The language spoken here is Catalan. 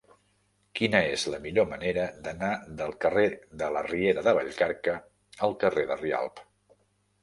Quina és la millor manera d'anar del carrer de la Riera de Vallcarca al carrer de Rialb?